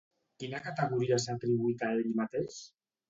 Quina categoria s'ha atribuït a ell mateix?